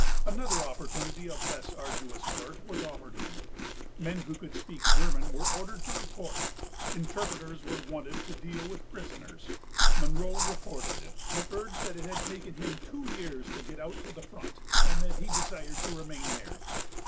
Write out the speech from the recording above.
Another opportunity of less arduous work was offered him. Men who could speak German were ordered to report: interpreters were wanted to deal with prisoners. Munro reported, p. xxiiibut urged that it had taken him two years to get out to the front and that he desired to remain there.